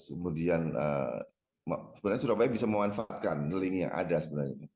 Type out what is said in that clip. kemudian sebenarnya surabaya bisa memanfaatkan link yang ada sebenarnya